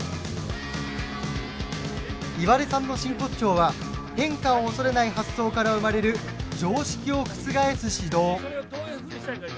岩出さんの真骨頂は変化を恐れない発想から生まれる常識を覆す指導。